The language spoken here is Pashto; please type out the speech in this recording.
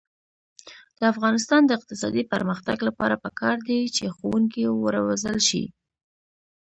د افغانستان د اقتصادي پرمختګ لپاره پکار ده چې ښوونکي وروزل شي.